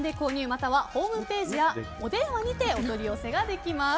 またはホームページやお電話にてお取り寄せができます。